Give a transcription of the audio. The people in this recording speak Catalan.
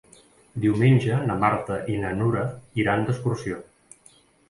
Diumenge na Marta i na Nura iran d'excursió.